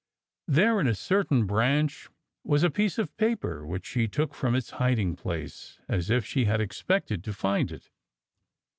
There in a cer tain branch was a piece of paper, which she took from its hiding place as if she had expected to find it.